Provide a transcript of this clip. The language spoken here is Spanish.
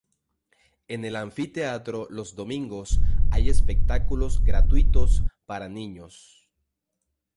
En el anfiteatro los domingos hay espectáculos gratuitos para niños.